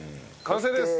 完成です。